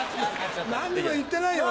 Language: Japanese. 何にも言ってないよ俺。